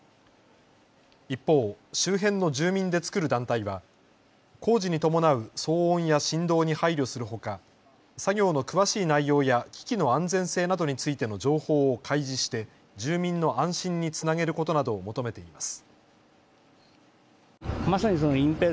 一方、周辺の住民で作る団体は工事に伴う騒音や振動に配慮するほか作業の詳しい内容や機器の安全性などについての情報を開示して住民の安心につなげることなどを求めています。